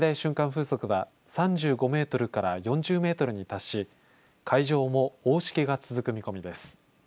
風速は３５メートルから４０メートルに達し海上も大しけが続く見込みです。